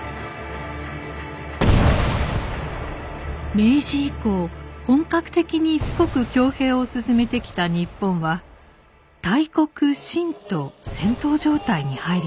明治以降本格的に富国強兵を進めてきた日本は大国清と戦闘状態に入りました。